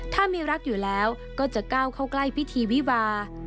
ถ้ามีรักอยู่แล้วก็จะก้าวเข้าใกล้พิธีวิวา